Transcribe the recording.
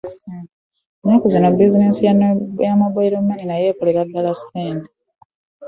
Ennaku zino bizineesi ya mobile money nayo ekolera ddala ssente.